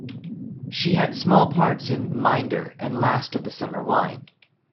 She had small parts in "Minder" and "Last of the Summer Wine".